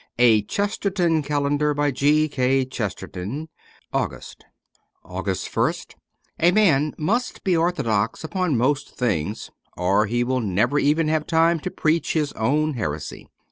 ' George Bernard Shaw' 235 August AUGUST ist A MAN must be orthodox upon most things, or he will never even have time to preach his own heresy.